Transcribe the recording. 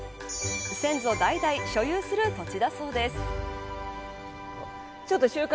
先祖代々所有する土地だそうです。